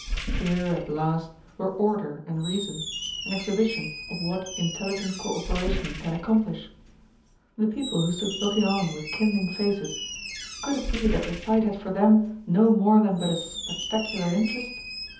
Here at last were order and reason, an exhibition of what intelligent cooperation can accomplish. The people who stood looking on with kindling faces, could it be that the sight had for them no more than but a spectacular interest?